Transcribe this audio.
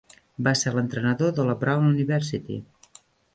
Va ser l'entrenador de la Brown University.